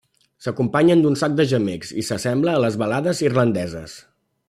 S'acompanyen d'un sac de gemecs i s'assembla a les balades irlandeses.